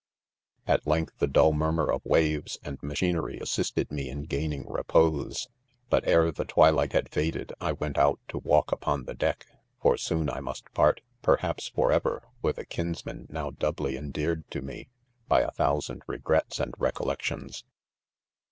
fi At length the dull murmur of waves and machinery assisted me in gaining repose ; but ere the. twilight had faded, I went out to walk upon the deck | for soon I must part, perhaps forever, with a kinsman now doubly endeared to me r by.a thousand regrets and recollections.